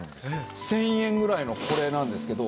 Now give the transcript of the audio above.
１０００円ぐらいのこれなんですけど。